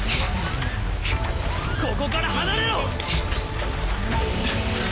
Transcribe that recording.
ここから離れろ！